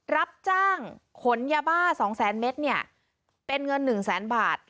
รับจ้างขนยาบ้า๒แสนเมตรเนี่ยเป็นเงิน๑แสนบาท